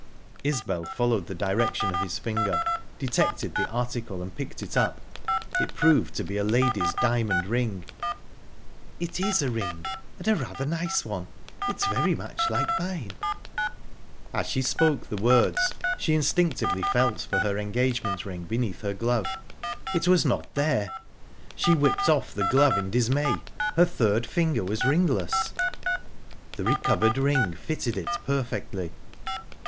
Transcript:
Isbel, following the direction of his finger, detected the article, and picked it up. It proved to be a lady's diamond ring. "It is a ring and a rather nice one. It's very much like mine." As she spoke the words, she instinctively felt for her engagement ring beneath her glove...It was not there!...She whipped off the glove, in dismay. Her third finger was ringless. The recovered ring fitted it perfectly.